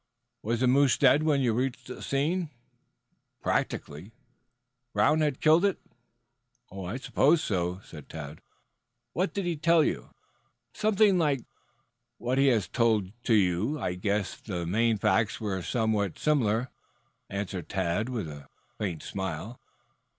"Was the moose dead when you reached the scene?" "Practically." "Brown had killed it?" "I supposed so." "What did he tell you?" "Something like what he has told to you. I guess the main facts were somewhat similar," answered Tad with a faint smile.